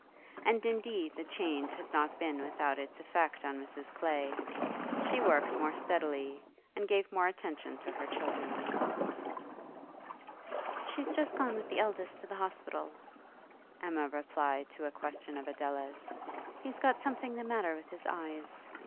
And indeed the change had not been without its effect on Mrs. Clay; she worked more steadily, and gave more attention to her children. 'She's just gone with the eldest to the hospital,' Emma replied to a question of Adela's. 'He's got something the matter with his eyes.